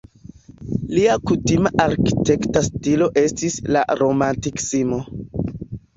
Lia kutima arkitekta stilo estis la romantikismo.